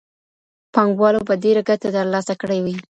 پانګوالو به ډېره ګټه ترلاسه کړې وي.